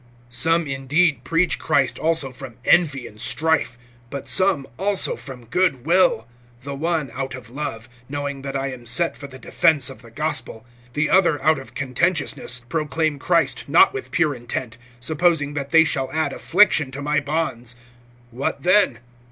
(15)Some indeed preach Christ also from envy and strife, but some also from good will; (16)the one, out of love, knowing that I am set for the defense of the gospel; (17)the other, out of contentiousness, proclaim Christ not with pure intent, supposing that they shall add affliction[1:17] to my bonds. (18)What then?